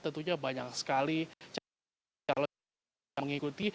artinya banyak sekali calon jemaah umroh yang mengikuti